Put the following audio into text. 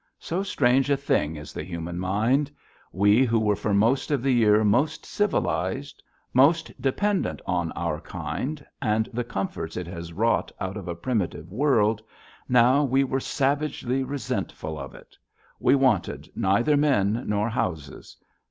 So strange a thing is the human mind! We who were for most of the year most civilized, most dependent on our kind and the comforts it has wrought out of a primitive world, now we were savagely resentful of it. We wanted neither men nor houses.